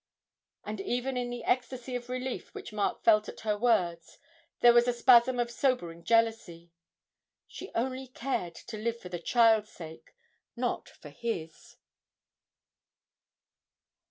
And even in the ecstasy of relief which Mark felt at her words there was a spasm of sobering jealousy; she only cared to live for the child's sake not for his.